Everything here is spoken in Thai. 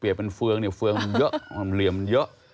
เปรียบเป็นเฟืองเฟืองมองเยอะ